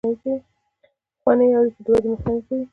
پخوانۍ اړیکې د ودې مخنیوی کوي.